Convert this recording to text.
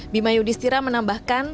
bimayu distira menambahkan